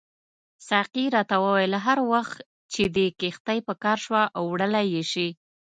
ساقي راته وویل هر وخت چې دې کښتۍ په کار شوه وړلای یې شې.